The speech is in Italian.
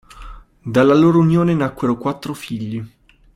Dalla loro unione nacquero quattro figli.